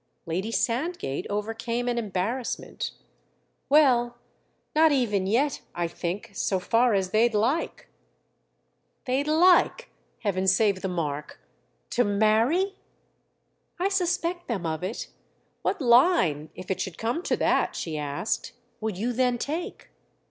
Lady Sandgate overcame an embarrassment. "Well, not even yet, I think, so far as they'd like." "They'd 'like'—heaven save the mark!—to marry?" "I suspect them of it. What line, if it should come to that," she asked, "would you then take?"